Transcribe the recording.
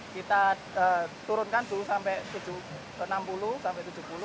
kita turunkan dulu sampai enam puluh sampai tujuh puluh